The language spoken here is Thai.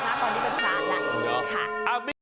ตอนนี้เป็นประมาณนี้ค่ะ